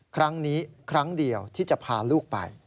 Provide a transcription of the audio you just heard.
ครั้งนี้ครั้งเดียวที่จะพาลูกไป